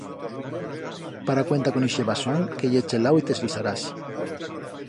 Para cuenta con ixe basón que ye chelau y t'eslisarás.